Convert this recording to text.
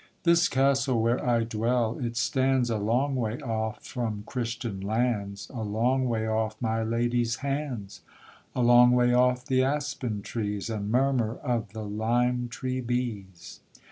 This castle where I dwell, it stands A long way off from Christian lands, A long way off my lady's hands, A long way off the aspen trees, And murmur of the lime tree bees.